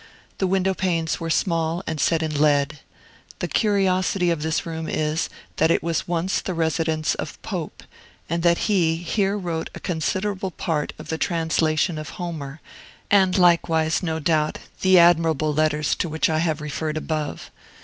The window panes were small and set in lead. The curiosity of this room is, that it was once the residence of Pope, and that he here wrote a considerable part of the translation of Isomer, and likewise, no doubt, the admirable letters to which I have referred above.